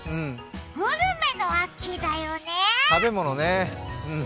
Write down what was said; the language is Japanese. グルメの秋だよね。